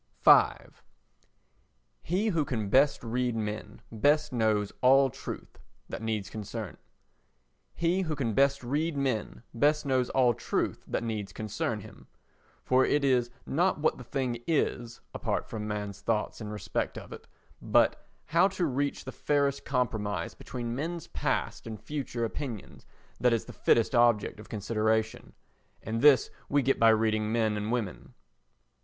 v He who can best read men best knows all truth that need concern him; for it is not what the thing is, apart from man's thoughts in respect of it, but how to reach the fairest compromise between men's past and future opinions that is the fittest object of consideration; and this we get by reading men and women.